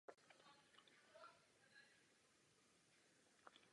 Standardní interpretace a oficiální specifikace neodpovídají dokonale.